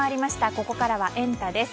ここからはエンタ！です。